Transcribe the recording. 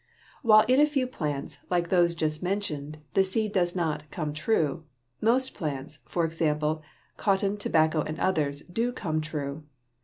While in a few plants like those just mentioned the seed does not "come true," most plants, for example, cotton, tobacco, and others, do "come true."